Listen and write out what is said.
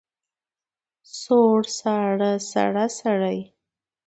سوړ، ساړه، سړه، سړې.